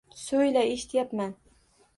Soʻyla, eshityapman.